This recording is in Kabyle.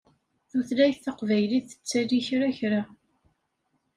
Tutlayt taqbaylit tettali kra kra.